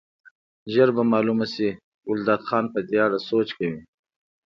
ژر به معلومه شي، ګلداد خان په دې اړه سوچ کوي.